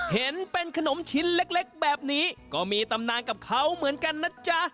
เห็นเป็นขนมชิ้นเล็กแบบนี้ก็มีตำนานกับเขาเหมือนกันนะจ๊ะ